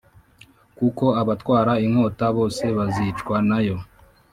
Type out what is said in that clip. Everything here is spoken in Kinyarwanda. kuko abatwara inkota bose bazicwa n’ayo